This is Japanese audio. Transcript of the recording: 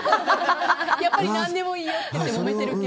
やっぱり何でもいいよでもめている系の。